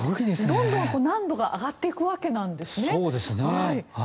どんどん難度が上がっていくわけなんですね。